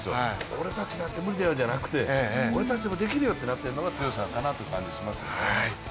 俺たちなんて無理だよじゃなくて俺たちでもできるよってなっているのが強さなのかなと思いますね。